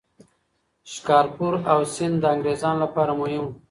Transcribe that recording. شکارپور او سند د انګریزانو لپاره مهم وو.